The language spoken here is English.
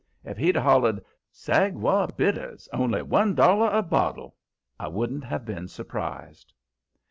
If he'd hollered: "Sagwa Bitters, only one dollar a bottle!" I wouldn't have been surprised.